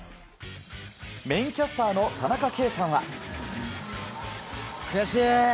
メインキャスターの田中圭さ悔しい。